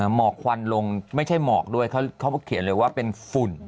หมอกควันลงไม่ใช่หมอกด้วยเขาเขียนเลยว่าเป็นฝุ่น